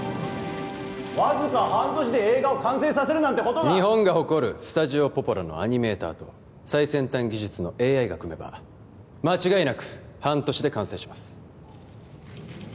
わずか半年で映画を完成させるなんてことが日本が誇るスタジオポポラのアニメーターと最先端技術のＡＩが組めば間違いなく半年で完成します